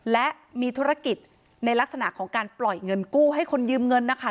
และมีธุรกิจในลักษณะของการปล่อยเงินกู้ให้คนยืมเงินนะคะ